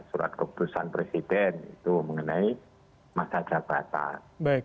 surat keputusan presiden itu mengenai masa jabatan